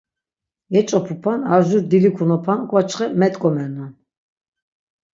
Yeç̆opupan, ar, jur dilikunapan uk̆vaçxe met̆ǩomernan.